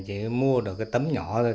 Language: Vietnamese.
chỉ mua được cái tấm nhỏ thôi